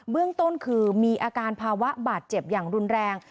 เรื่องต้นคือมีอาการภาวะบาดเจ็บอย่างรุนแรง